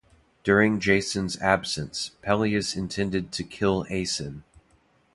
During Jason's absence, Pelias intended to kill Aeson.